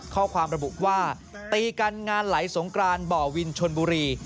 ข้อความระบุว่าตีกันงานไหลสงกรานบ่อวินชนบุรี